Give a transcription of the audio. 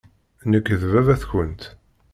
Nekk d baba-tkent.